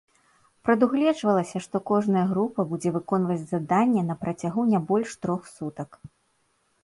Прадугледжвалася, што кожная група будзе выконваць заданне на працягу не больш трох сутак.